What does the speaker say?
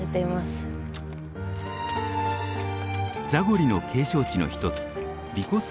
ザゴリの景勝地の一つヴィコス